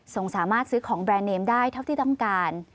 สามารถซื้อของแบรนด์เนมได้เท่าที่ต้องการ